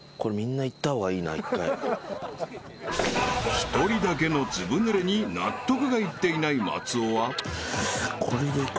［１人だけのずぶぬれに納得がいっていない松尾は］